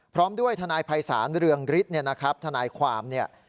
พร้อมด้วยทนายภัยศาลเรืองฤทธิ์เนี่ยนะครับทนายความเนี่ย